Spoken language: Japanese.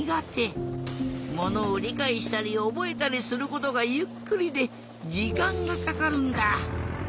ものをりかいしたりおぼえたりすることがゆっくりでじかんがかかるんだ。